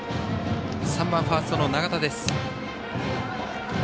３番、ファーストの永田です。